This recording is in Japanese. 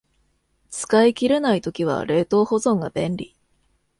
使い切れない時は冷凍保存が便利